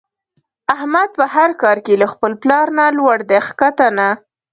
احمد په هر کار کې له خپل پلار نه لوړ دی ښکته نه.